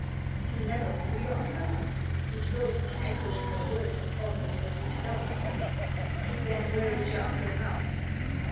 " You never knew your uncle ?" He spoke, in echoing her words, almost as if he doubted her. " Then where is your uncle now